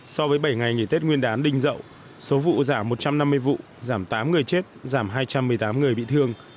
so với bảy ngày nghỉ tết nguyên đán đình dậu số vụ giảm một trăm năm mươi vụ giảm tám người chết giảm hai trăm một mươi tám người bị thương